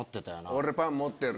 俺パン持ってる。